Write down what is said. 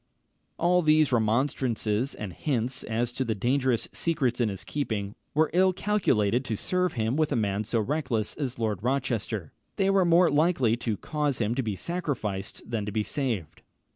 ] All these remonstrances, and hints as to the dangerous secrets in his keeping, were ill calculated to serve him with a man so reckless as Lord Rochester: they were more likely to cause him to be sacrificed than to be saved.